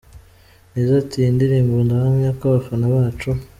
Nizzo ati, Iyi ndirimbo ndahamya ko abafana bacu.